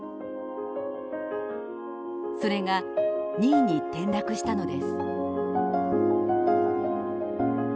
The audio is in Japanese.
それが２位に転落したのです。